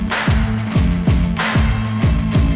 โฟงอะไรถึง